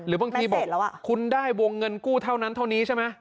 บางทีบอกคุณได้วงเงินกู้เท่านั้นเท่านี้ใช่ไหม